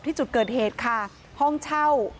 ที่จุดเกิดเหตุค่ะห้องเช่า